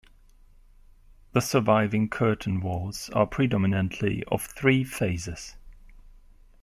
The surviving curtain walls are predominantly of three phases.